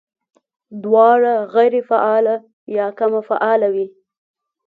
دواړه غېر فعاله يا کم فعاله وي